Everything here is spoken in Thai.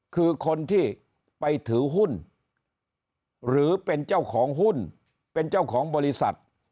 คือคนที่ไปถือหุ้นหรือเป็นเจ้าของหุ้นเป็นเจ้าของบริษัท